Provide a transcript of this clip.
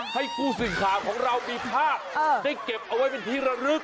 ให้ผู้สื่อข่าวของเรามีภาพได้เก็บเอาไว้เป็นที่ระลึก